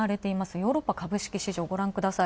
ヨーロッパ株式市場、ご覧ください。